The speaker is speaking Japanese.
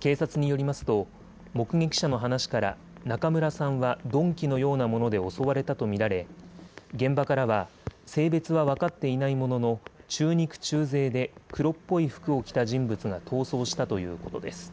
警察によりますと目撃者の話から中村さんは鈍器のようなもので襲われたと見られ現場からは性別は分かっていないものの中肉中背で黒っぽい服を着た人物が逃走したということです。